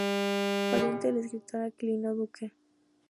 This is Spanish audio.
Pariente del escritor Aquilino Duque.